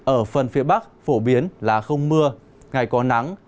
ở phần phía bắc phổ biến là không mưa ngày có nắng